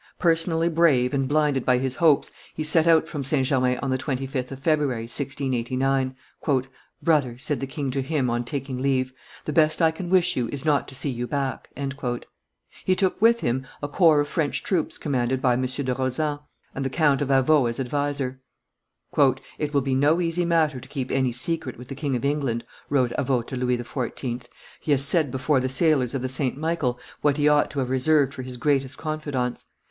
Personally brave, and blinded by his hopes, he set out from St. Germain on the 25th of February, 1689. "Brother," said the king to him on taking leave, "the best I can wish you is not to see you back." He took with him a corps of French troops commanded by M. de Rosen, and the Count of Avaux as adviser. "It will be no easy matter to keep any secret with the King of England," wrote Avaux to Louis XIV.; "he has said before the sailors of the St. Michael what he ought to have reserved for his greatest confidants.